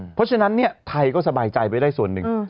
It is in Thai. เพราะฉะนั้นไทยก็สบายใจไปได้ส่วนหนึ่ง